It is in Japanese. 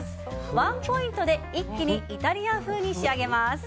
ワンポイントで一気にイタリアン風に仕上げます。